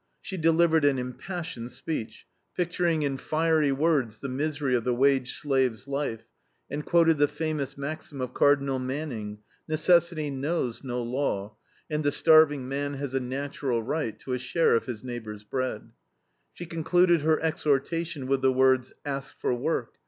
She delivered an impassioned speech, picturing in fiery words the misery of the wage slave's life, and quoted the famous maxim of Cardinal Manning: "Necessity knows no law, and the starving man has a natural right to a share of his neighbor's bread." She concluded her exhortation with the words: "Ask for work.